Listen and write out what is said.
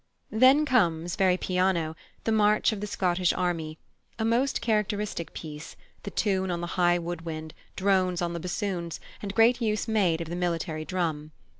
Then comes, very piano, "The March of the Scottish Army" a most characteristic piece, the tune on the high wood wind, drones on the bassoons, and great use made of the military drum.